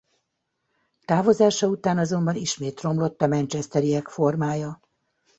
Távozása után azonban ismét romlott a manchesteriek formája.